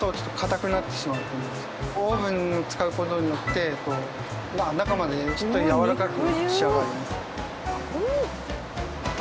オーブンを使う事によって中までしっかりやわらかく仕上がります。